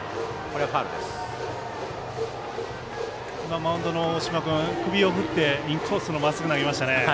マウンドの大嶋君首を振ってインコースのまっすぐ投げました。